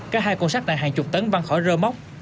các hai cuộn sắt nặng hàng chục tấn văn khỏi rô móc